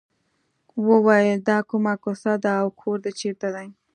وویل دا کومه کوڅه ده او کور دې چېرته دی.